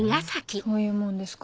そういうもんですか？